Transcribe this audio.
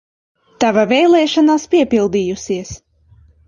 Tava vēlēšanās piepildījusies!